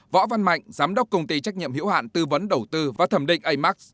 võ văn mạnh giám đốc công ty trách nhiệm hiểu hạn tư vấn đầu tư và thẩm định amax